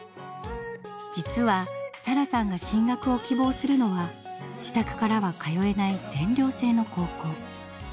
実はサラさんが進学を希望するのは自宅からは通えない全寮制の高校。